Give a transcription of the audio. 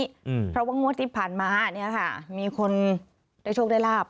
อืมเพราะว่างวดที่ผ่านมาเนี้ยค่ะมีคนได้โชคได้ลาบ